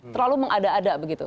terlalu mengada ada begitu